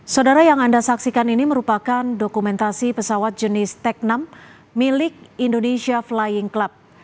saudara yang anda saksikan ini merupakan dokumentasi pesawat jenis teknam milik indonesia flying club